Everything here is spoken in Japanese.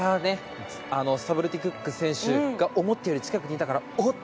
スタブルティ・クック選手思ったより近くにいたからおっ！